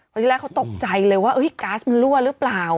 ตอนที่แรกเขาตกใจเลยว่าเอ้ยแก๊สมันรั่วหรือเปล่า